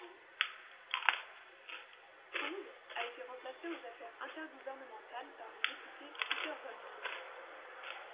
Chong a été remplacé aux Affaires intergouvernementales par le député Peter Van Loan.